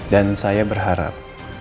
dan saya berharap